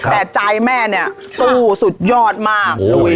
แต่ใจแม่เนี่ยสู้สุดยอดมาก